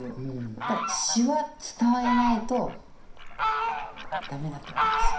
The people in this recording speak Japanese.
やっぱり詞は伝えないと駄目だと思うんですよね。